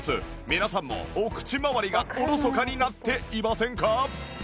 皆さんもお口まわりがおろそかになっていませんか？